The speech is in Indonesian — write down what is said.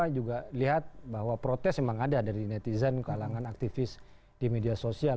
kita juga lihat bahwa protes memang ada dari netizen kalangan aktivis di media sosial